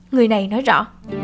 người này nói rõ